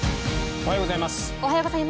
おはようございます。